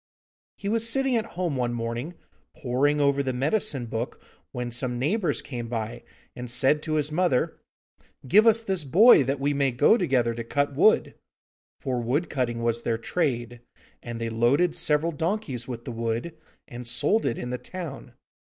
He was sitting at home one morning poring over the medicine book, when some neighbours came by and said to his mother: 'Give us this boy, that we may go together to cut wood.' For wood cutting was their trade, and they loaded several donkeys with the wood, and sold it in the town.